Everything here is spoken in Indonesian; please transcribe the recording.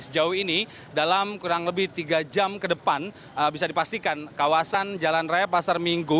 sejauh ini dalam kurang lebih tiga jam ke depan bisa dipastikan kawasan jalan raya pasar minggu